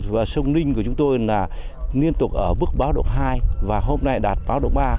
và sông ninh của chúng tôi là liên tục ở bước báo độc hai và hôm nay đạt báo độc ba